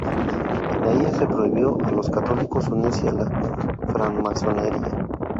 En ella se prohibió a los católicos unirse a la Francmasonería.